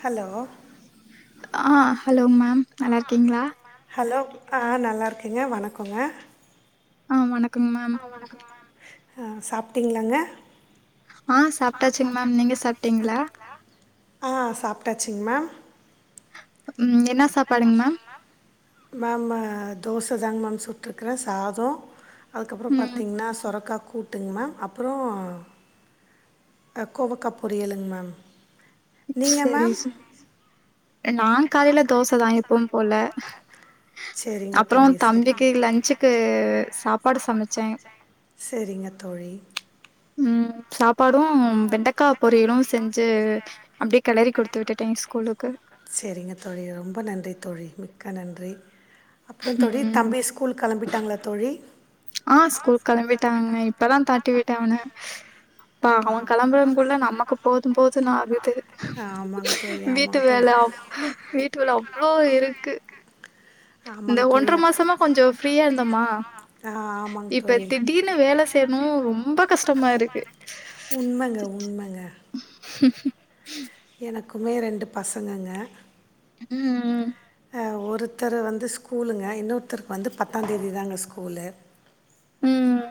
Hello ஆஹ் hello ma'am நல்லா இருக்கீங்ளா ஹலோ ஆ நல்லா இருக்கேங்க வணக்கங்க ஆ வணக்கங்க மேம். ஆஹ் வணக்கங் மேம் அஹ் சாப்டிங்களாங்க ஆஹ் சாப்டாச்சுங்க மேம் நீங்க சாப்டீங்களா ஆ சாப்டாச்சிங் மேம் உம் என்ன ச என்ன சாப்பாடுங்க மேம் மேம்மு தோச தாங் மேம் சுட்ருக்குறே சாதொ அதுக்கப்பறொ ம் பாத்தீங்கன்னா சொரக்காக் கூ கூட்டுங் மேம் அப்புறொ அ கோவக்கா பொரியலுங் மேம் நீங்க சரி. மேம் ஸ்- நான் காலைல தோசதா எப்பவும் போல சரிங்க அப்றோ தோழி சரிங்க தம்பிக்கு தோழி லஞ்சுக்கு சாப்பாடு சமச்சே சரிங்க தோழி உம் சாப்பாடும் வெண்டக்கா பொரியலு செஞ்சு அப்டி கெளறி குடுத் து விட்டுட்டே ஸ்கூலுக்கு சரிங்க தோழி ரொம்ப நன்றி தோழி மிக்க நன்றி அப்றோ தோழி ம். தம்பி ஸ்கூலுக் கெளம்பிட்டாங்களா தோழி ஆஹ் ஸ்கூல் கெளம்பிட்டாங்க இப்பதா வெரட்டி விட்ட அவன ப்பா அவன் கெளம்புறனுக்குள்ள நமக்கு போது போதுன்னு ஆகுது ஆமாங்க தோழி வீட்டு ஆமாங்க தோழி வேல அவ் வீட்டு வேல அவ்ளோ இருக்கு இந்த ஆமாங்க தோழி ஒன்ற மாசமா கொஞ்சோ ஃப்ரீயா இருந்தோமா ஆ ஆமாங்க இப்ப தோழி திடீர்னு வேல செய்யணுமு ரொம்ப கஸ்டமா இருக்கு உண்மங்க உண்மங்க எனக்குமே ரெண்டு பசங்கங்க உம் உம் அ ஒருத்தர் வந்து ஸ்கூலுங்க இன்னொருத்தருக்கு வந்து பத்தாந்தேதி தாங்க ஸ்கூலு உம்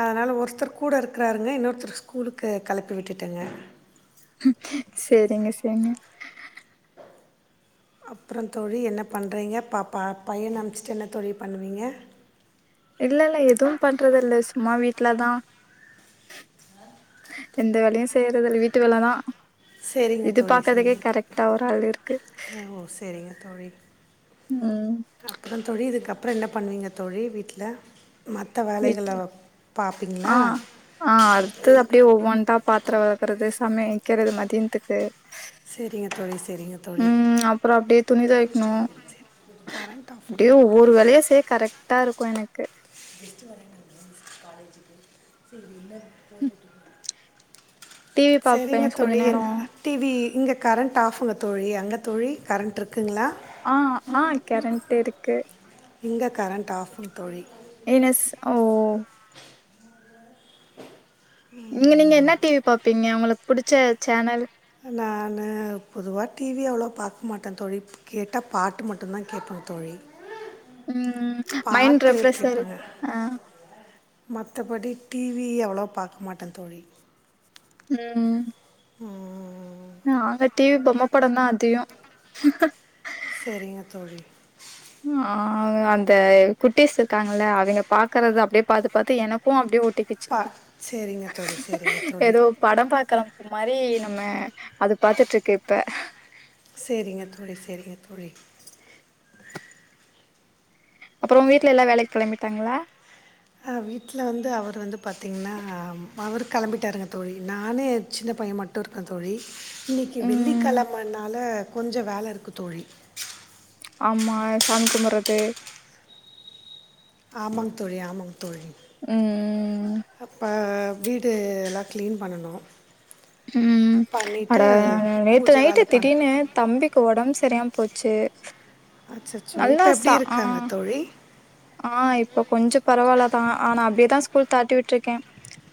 அதனால ஒருத்தர் கூட இருக்கறாருங்க இன்னொருத்தர் ஸ்கூலுக்கு கெளப்பி விட்டுட்டங்க செரிங்க செரிங்க அப்றந்தோழி என்ன பண்றீங்க பாப்பா பையன அனுப்சிட்டு என்ன தோழி பண்ணுவீங்க இல்ல இல்ல எதும் பண்றதில்ல சும்மா வீட்டுலதா எந்த வேலயு செய்யறதில்ல வீட்டு வேலதா செரிங்க இது தோழி பாக்கறதுக்கே செரிங்க தோ கரெக்டா ஒரு ஆள் இருக்கு அஹ் ஓ செரிங்க தோழி ம் அப்ரொ தோழி இதுக்கப் அப்புறம் என்ன பண்ணுவீங்க தோழி வீட்ல வீட் ஆஹ் ஆஹ் அடுத்து அப்டே ஒவ்வொன்தா பாத்ரொ வெளக்கறது சமை க்கிறது மதியதுக்கு சரிங்க தோழி சரிங்க தோழி உம் அப்ரொ அப்டே துணி தோய்க்கணும் சரி கரண்ட் ஆஃப் அப்டியே பண்ணாலே ஒவ்வொரு வேலையா செய்ய கரெக்ட்டா இருக்கும் எனக்கு எச்ச வரங்க காலேஜுக்கு செரி என்ன போட்டுட்டு டி வி பாப்பே செரிங்க கொஞ்ச தோழி நேரோ என் டிவி இங்க கரண்ட் ஆஃப்புங்க தோழி அங்க தோழி கரண்ட்ருக் ஆஹ் ஆஹ் கேரண்ட் இருக்கு இங்கே கரண்ட் ஆப்ங் தோழி என் ஸ ஓ இங்க நீங்க என்ன டிவி பாப்பீங்க உங்களு புடிச்ச சேனல் நான் போதுவா டிவி அவ்வளோ பாக்க மாட்டே தோழி கேட்டா பாட்டு மட்டும் தான் கேட்பேன் தோழி உம் மைண் பாட்டு ரெஃப்ரெஷ்ஷா இருக்கு கேட்பேங்க ஆஹ் மற்றபடி டிவி அவ்வளோ பாக்க மாட்டேன் தோழி உம் ம்ஹூம் ஹ்ஹூஹூ செரிங்க தோழி ஆஹ் அந்த குட்டிஸ் இருக்காங்கள அவங்க பாக்குறது அப்படியே பாத்து பாத்து எனக்கு அப்படியே ச்சு பா சரிங்க தோழி சரிங்க தோழி ஏதோ படம் பாக்கற மாரி நம்ம அது பாத்துட்டு இருக்க இப்ப செரிங்க தோழி செரிங்க தோழி அப்புற வீட்டு்ல எல்லா வேலைக்கு கெளம்பிட்டாங்களா ஹ வீட்டல வந்து அவர் வந்து பாத்தீங்கன்னா அவர் கெளம்பிட்டாருங்க தோழி நானு சின்ன பையன் மட்டும் இருக்கொன் தோழி இன்னைக்கி ம் வெள்ளிக்கிழமனால கொஞ்ச வேல இருக்கு தோழி ஆமா சன்குமரன் தே ஆமாங் தோழி ஆமாங் தோழி ம் அப்ப வீடு எல்லா க்ளீன் பண்ணணும் உம் பண்ணிவிட்டு அட நேத்து பூஜை நைட்டு வேலை பண்ண திடிர்னு தம்பிக்கு ஒடம்பு சரியாம போச்சு அச்சச்சோ நல்லா இப்ப எப்படி சா ஆ இருக்காங்க தோழி ஆ இப்ப கொஞ்சோ பரவால்ல தா ஆனா அப்டிதா ஸ்கூல் தாட்டுவிட்ருக்கே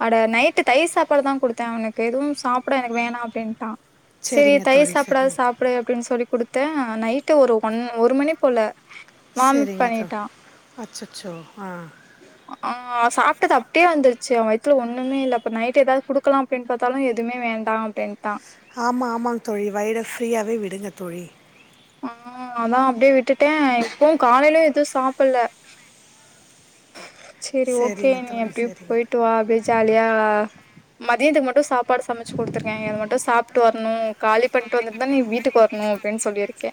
அட நைட்டு தயிர் சாப்பாடு தா குடுத்தே அவனுக்கு எதுவும் சாப்ட எனக்கு வேணா அப்டின்ட்டா செரி சரிங்க தயிர் தோழி சாப்பாடாது சரிங்க சாப்டு அப்டின்னு சொல்லி குடுத்தே நைட்டு ஒரு ஒன் ஒரு மணி போல வாமிட் சரிங்க தோழி பண்ணிட்டான் அச்சச்சோ ஆ ட்டது அப்டியே வந்துச்சு அவன் வயித்துல ஒன்னுமே இல்ல இப்ப நைட் ஏதாவது குடுக்கலா அப்டின்னு பாத்தாலும் எதுமே வேண்டா அப்டின்ட்டான் ஆமா ஆமாங் தோழி வயிற ஃப்ரீயாவே விடுங்க தோழி ஆ அதா அப்டியே விட்டுட்டேன் இப்பவு காலையில எதும் சாப்புட்ல செரி ஓகே சரிங்க நீ தோழி அப்டியே சரிங்க போய்ட்டு வா அப்டியே ஜாலியா மதியத்துக்கு மட்டும் சாப்பாடு சமச்சு குடுத்துருக்கே இது மட்டும் சாப்ட்டு வரணு காலி பண்ட்டு வந்துட்டு தா நீ வீட்டுக்கு வர்ணு அப்டின்னு சொல்லிருக்கே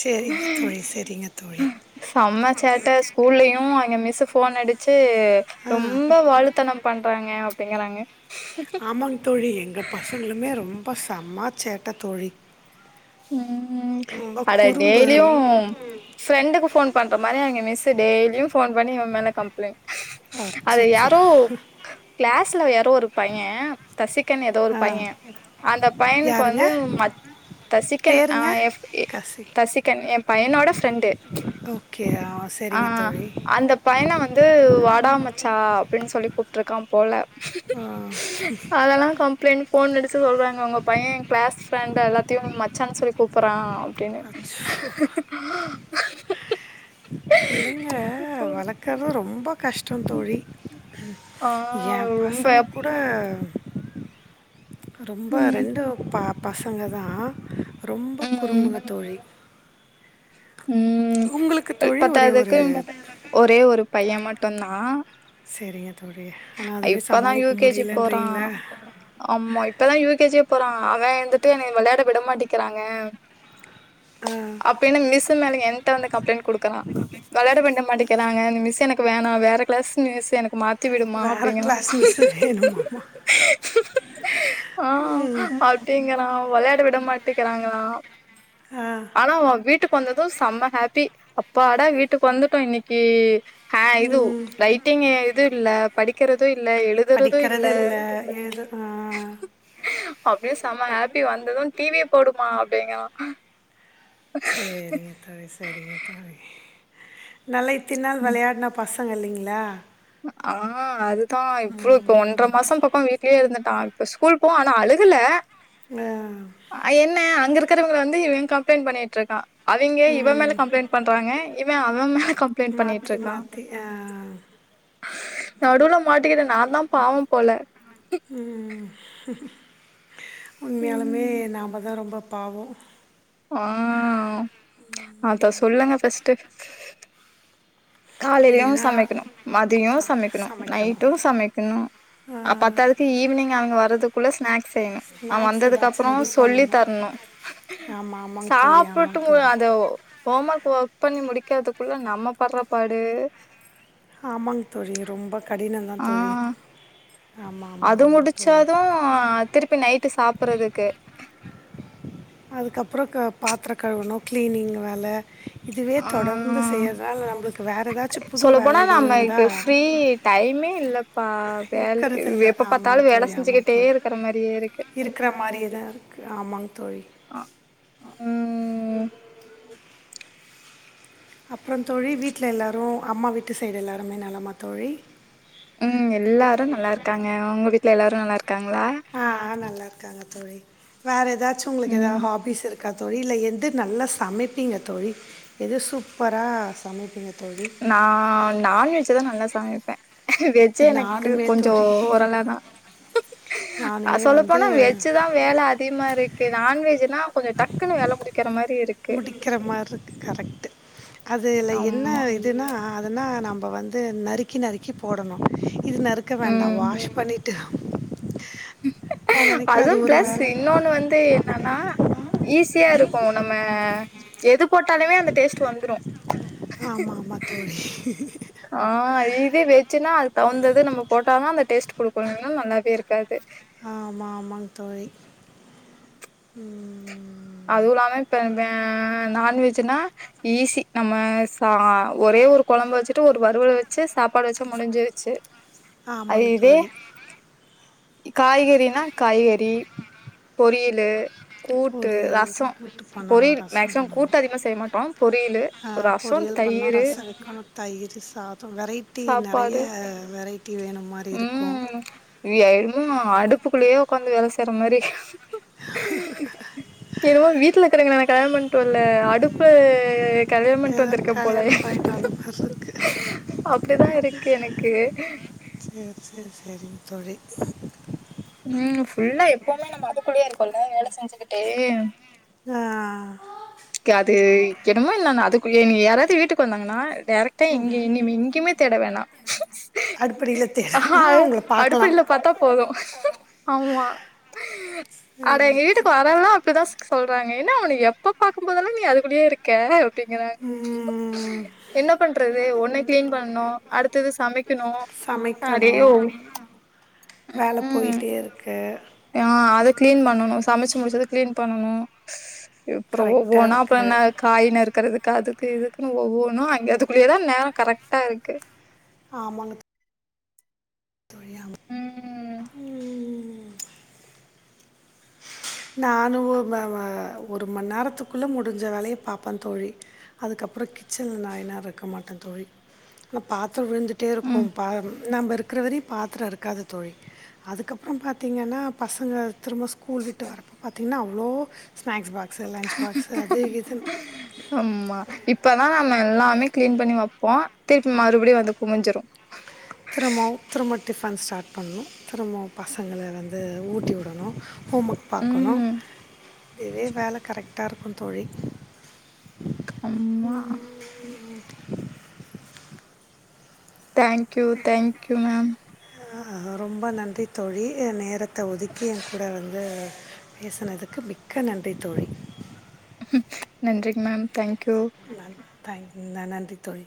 சரிங்க தோழி சரிங்க தோழி செம சேட்ட ஸ்கூல்லயு அங்க மிஸ்ஸு ஃபோன் அடிச்சு ஆ ரொம்ப வாழுத்தனம் பண்றாங்க அப்டிங்கறாங்க ஆமாங்க தோழி எங்க பசங்களுமே ரொம் அப்பா செமா சேட்ட தோழி ம் ரொம்ப அட குறும்பு டெய்லியு ஃப்ரெண்டுக்கு ஃபோன் பண்ற மாரி அவிங்க மிஸ்ஸு டெய்லியு ஃபோன் பண்ணி இவன் மேல கம்ப்ளைண்ட் அது அச்சச்சோ யாரோ கிளாஸ்ல யாரோ ஒரு பையன் தசிக் க்கன் ஏதோ ஒரு ஆ பையன் அந்த பையனுக்கு யாருங்க வந்து ம தசிகன் ஆ பேருங்க எஸ் கசி தசிகன் ஏன் பையனோட ஃபிரண்டு ஓகே ஆ ஆ சரிங்க தோழி அந்த பையன வந்து வாடா மச்சா அப்டின்னு சொல்லி கூப்ட்ருக்கான் போல ஆ அதெல்லா ஃபோன் அடிச்சு சொல்றாங்க உங்க பையன் ஏ கிளாஸ் ஃப்ரெண்ட் எல்லா த்தியும் மச்சானு சொல்லி கூப்புட்றான் அச்சோ புள்ளைங்க வளக்கறது ரொம்ப கஷ்டோ தோழி ஆ ஏன் ரொம்ப பசங்க கூட ரொம்ப ம் ரெண்டு பா பசங்க தா ரொம்ப ம் குறும்புங்க தோழி ம் உங்களுக்கு தோழி ஒரே ஒரு பத்தாததுக்கு ஒரே ஒரு பைய மட்டுந்தா செரிங்க இப்பதா யூ கே ஜி போறா முடியலன்றீங்களா ஆமா இப்பதா யூ கே ஜி யே போறா அவெ இருந்துட்டு என்ன வெளயாட விட மாட்டிகுறாங்க ஆ, அப்டின்னு மிஸ்சு மேல எனட்ட வந்து கம்ப்ளைண்ட் குடுக்குறா வெளாட விட மாட்டேங்குறாங்க இந்த மிஸ் எனக்கு வே நா வேற கிளாஸ் மிஸ் எனக்கு மாத் மா வேற அப்படிங்கலா கிளாஸ் மிஸ் வேணுமாம்மா ஆ அப்படிங்குறா வெளையாட விட மாட் கத்துக்கிறாங்களா ஆ ஆனா வீட்டுக்கு வந்தது செம்ம ஹேப்பி அப்பாடா வீட்டுக்கு வந்துட்டோ இன்னைக்கு ஹா இதுவ் ம், லைட்டிங் இதுல்ல படிக்கிறது து இல்ல எழுதுறது இல்ல படிக்கிறது இல்லை ஏது ஆ, அப்டியே செம்ம ஹாப்பி வந்தது டிவிய போடுமா அப் [inaudible] சரிங்க தோழி சரிங்க தோழி நல்லைத்தினால் விளையாடினா பச ங்க இல்லைங்களா ஆ அதுதா இப்ப இப்ப ஒன்ற மாசம் பக்கொ வீட்லயே இருந்துட்டான் இப்போ ஸ்கூல் போவு ஆனா அழுகல ஆ, அ என்ன அங்க இருக் க்கிறவங்கள வந்து இவெ கம்ப்ளைண்ட் பண்ணிட்டு இருக்கான் அவெங்க இவன் மேல ம் கம்ப்ளைண்டட் பண்றாங்க இவன் அவன் மேல கம்ப்ளைண்டட் பண்ணிட்டு மாற்றி இருக்கா மாற்றி நடுவுல மாட்டிக்கிறே நான்தா பாவம் போல உண்மையாலுமே ம் நாமதா ரொம்ப பாவொ ஆ‌ அத சொல்லுங்க ஃபஸ்ட் காலையிலயு ஏன்னா சமைக்கணு மதியொ சமைக்கணு சமைக்கணும் நைட்டு சமைக்கணு அ பத்தாதுக்கு ஈவினிங் அவங்க வரது குல்ல ஸ்நாக் செய்யணு ‌அவன் ஸ்நாக்ஸ் வந்ததுக்கு ஏதாச்சும் அப்பறொ ரெடி சொல்லி பண்ணணும் தரணு ஆமாம் ஆமாங்க தோழி சாப்புட்டு ஆமாங்க தோழி அதொ ஹோம் ஒர்க் ஒர்க் பண்ணி முடி க்கறதுக்குள்ள நம்ம படுற படு ஆமாங் தோழி ரொம்ப கடினந்தா ஆ தோழி ஆமாம் ஆமாம் அது ஆமாங்க தோழி முடிச்சாது திருப்பி நைட்டு சாப்புர்றதுக்கு பாத்ரொ கழுவணு க்ளீனிங் வேல இதுவே ஆ தொடர்ந்து செய்யற்னால நம்ப்ளுக்கு வேற ஏதாச்சு புது வேலை நம்க்கு ஃப்ரீ டைமே இல்ல இருக்கறதில்ல ஆமாங் வேல தோழி ஆமாங் செஞ்சுக்கிட்டே தோழி இருக்கிற மாரியே இருக்கு இருக்குறா மாரிதா இருக்கு ஆமாங் தோழி ம் ம் அப்றோ தோழி வீட்ல எல்லாரு அம்மா வீட்டு சைடு எல்லாருமே நலமா தோழி உம் எல்லாரு நல்லா இருக்காங்க உங்க வீட்ல எல்லாரு நல்லா இரு க்காங்ளா ஆ ஆ, நல்லா இருக்காங்க தோழி வேற எத் தாச்சு உங்களுக்கு ஏதா ம் ஹாபிஸ் இருக் கா தோழி எது நல்லா சமைப்பீங்க தோழி எது சூப்பரா சமைப்பீங்க தோழி நா நான்வெஜ்ஜுதா நல்லா சமைப்பே வெஜ்ஜே எனக்கு நானுமே கொஞ்சொ தோழி ஓரளதா அ நானுமே சொல்லப் வந்து போனா வெஜ்ஜுதா வேல அதிகமா இருக் கு நான்வெஜ்ஜுனா கொஞ்சொ டக்குனு வேல முடிக்கிற மாரி இருக்கு முடிக்கிற மார்ருக்கு கரெக்ட்டு அதுல என்ன ஆமா இதுன்னா இதுனா நம்ப வந்து நறுக்கி நறுக்கி போடணு இது நறுக்க வேண்டா ம் வாஷ் பண்ணிட்டு [inaudible] அது அதுவும் ஒரு ப்ளஸ் வேள இன்னொன்னு வந்து என்னன்னா ஈஸியா இருக்கு நம்ம எது போட்டாலுமே அந்த டேஸ்ட் வந்துரு ஆமா ஆமா தோழி ஆ இதே வெஜ்ஜுனா அது தவுந்தது நம்ம போட்டாதா அந்த டே டேஸ்ட் குடுக்கு இல்லனா நல்லாவே இருக்காது ஆ ஆமா ஆமாங் தோழி உம் அதுவு இல்லாம இப்ப வெ நான்வெஜ்ஜுனா ஈஸி நம்ம ச ஒரே ஒரு கொழம்ப வெச்சிட்டு ஒரு வறுவல வெச்சி சாப்பாடு வெச்சா முடிஞ்சிருச்சி ஆமாங்க தோழி காய்கறினா காய்கறி பொரியலு கூ பொரியல் கூட்டு பண்ணணு ரசம் மேக்சிமம் பண்ணணு கூட்டு அதிகமா செய்ய மாட்டோ பொரியலு ஆ ரசோ பொரியல் பண்ணு தயிரு ரசம் வெக்கணு தயிரு சாதொ வெரைட்டி நறைய வெரைட் உம் [unintelligible] அடுப்புக்குள்ளேயே உக்காந்து வேல செ ய்ற மாரி தெனமு வீட் ட்ல [unintelligible] பண்டோல அடுப்பு கல்யாண்ம் பண்ட்டு ஏதோ வந்திருக்கேன் போல கல்யாணம் போயிட்டு வந்த மாதிரி இருக்கு அப்படிதா இருக்கு எனக்கு செரி செரி தோழி உம் ஃபுல்லா எப்புமே நம்ப அதுக்குள்ளியே இருக்கோல்ல வேல செஞ்சுக்கிட்டே அ அது என்னமோ நா அது குள்ளயே நீ யாராது வீட்டுக்கு வந்தாங்கன்னா டேரெக்ட்டா எங் இனிமே எங்கிய்மே தேட அடுப்படியில் வேணா‌அ தேடனா அவங்கள பார்க்கலாம் அடுபுல்ல பாத்தா போது ஆமா சரி, அட ஏ வீட்டுக்கு சரி. வரவலா அப்டிதா சொ சொல்றாங்க என்ன ஒனக்கு எப்பப் பாக்கும்போதெல்லா நீ அதுக்குள்ளயே இருக்க அப் டிங்குறாங்க உம், என்ன பண்றது ஒன்னு க்ளீன் பண்னு அடுத்தது சமைக்கணு அப்டே ஒ ச்ச் வேல போயிட்டேருக்கு அ அ அத க்ளீன் பண்ணனு சமச்சு முடிச்சது க்ளீன் பண்ணனு அப்றோ ஓ கரெக்டாக ஓனா அப்றோ இருக்கு என்னா காயி நறுக்கறதுக்காது க்கு இதுக்கின்னு ஒவ்வொன்னா இங்க அதுக்குள்ளயேதா நேரோ கரெக்ட்டாருக்கு ஆமாங்கத் தோழி ஆமா ம் ம் நானு ஒ ம அ அ ஒருமண் நேரத்துக்குள்ள முடிஞ்ச வேலய பாப்பே தோழி அதுக்கப்றோ கிச்சன்ல நா [unintelligible] இருக்க மாட்டே தோழி [unintelligible] பாத் [unintelligible] விழுந்துட்டே ம் இருக்கும் [unintelligible] நம்ப இருக்கற வரியு பாத்ரோ இருக்காது தோழி அதுக்கப்றோ பாத்திங்கன்னா பசங்க திரும்ப ஸ்கூல் விட் ட்டு வரப்ப பாத்தீங்கன்னா அவ்ளோ ஸ்னாக்ஸ் பா ஆமா இப்பதா நம்ப எல்லாமே க்ளீன் பண்ணி வப்போ திருப்பி மறுபடி வந்து குமிஞ்சுரு த்ரும்பவு த்ரும்ப டிஃபன் ஸ்டாட் பண்ணு த்ரும்பவு பசங்கள வந்து ஊட்டிவுடணு ஹோம் ஒக் பாக்கணு ம் இதே வேல கரெக்ட்டாருக்கு தோழி அம்மா தேங்க்யூ தேங்க்யூ மேம் ஆ ரொம்ப நன்றி தோழி நேரத் த்த ஒதுக்கி ஏ கூட வந்து பேஷ்னதுக்கு மிக்க நன்றி தோழி ம் நன்றிங் மேம் தேங் நன் தேங்க் ந நன்றி தோழி